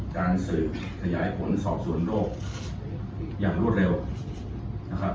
การสืบขยายผลสอบสวนโรคอย่างรวดเร็วนะครับ